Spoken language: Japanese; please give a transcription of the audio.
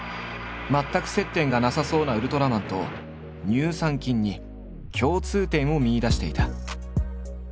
全く接点がなさそうなウルトラマンと乳酸菌に共通点を見いだしていた。